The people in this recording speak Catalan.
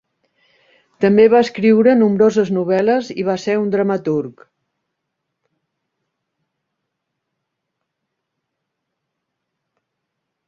També va escriure nombroses novel·les i va ser un dramaturg.